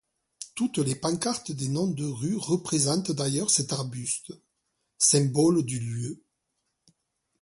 Toutes les pancartes des noms des rues représentent d'ailleurs cet arbuste, symbole du lieu.